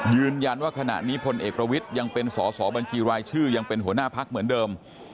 ยืนยันว่าขณะนี้พลเอกประวิทย์ยังเป็นสอสอบัญชีรายชื่อยังเป็นหัวหน้าพักเหมือนเดิม